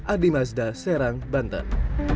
adi mazda serang banten